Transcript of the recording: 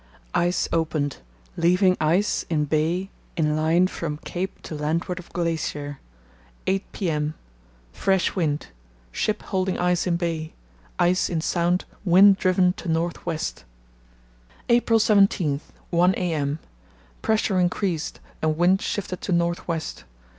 —Ice opened, leaving ice in bay in line from Cape to landward of glacier. 8 p.m.—Fresh wind; ship holding ice in bay; ice in Sound wind driven to north west. "April 17, 1 am.—Pressure increased and wind shifted to north west.